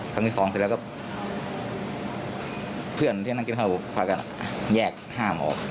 ครั้งที่สองเสร็จแล้วก็เพื่อนที่นั่งกินข้าวพากันแยกห้ามออก